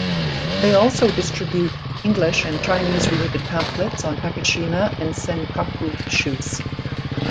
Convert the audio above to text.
They also distribute English and Chinese related pamphlets on Takeshima and Senkaku issues.